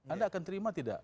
anda akan terima tidak